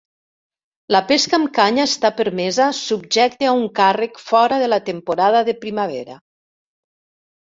La pesca amb canya està permesa subjecte a un càrrec fora de la temporada de primavera.